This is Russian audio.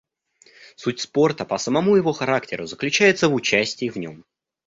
Суть спорта по самому его характеру заключается в участии в нем.